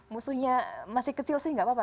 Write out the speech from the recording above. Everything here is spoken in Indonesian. musuhnya masih kecil sih nggak apa apa